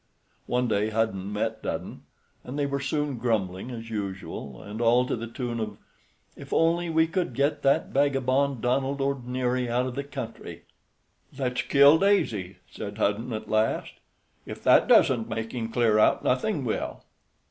One day Hudden met Dudden, and they were soon grumbling as usual, and all to the tune of, "If only we could get that vagabond, Donald O'Neary, out of the country." "Let's kill Daisy," said Hudden at last; "if that doesn't make him clear out, nothing will."